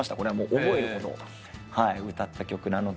覚えるほど歌った曲なので。